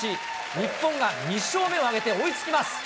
日本が２勝目を挙げて、追いつきます。